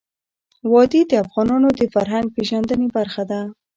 وادي د افغانانو د فرهنګ پیژندني برخه ده.